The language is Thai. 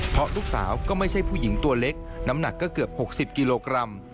เพราะลูกสาวก็ไม่ใช่ผู้หญิงตัวเล็กน้ำหนักก็เกือบ๖๐กิโลกรัม